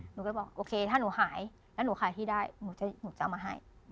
หนูก็บอกโอเคถ้าหนูหายแล้วหนูขายที่ได้หนูจะเอามาให้